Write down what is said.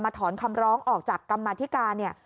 ถอนคำร้องออกจากกรรมธิการเนี่ย